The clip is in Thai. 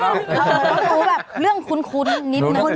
หนูแบบเรื่องคุ้นนิดนึง